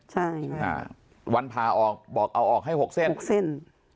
ใช่อ่าวันพาออกบอกเอาออกให้๖เส้นหกเส้น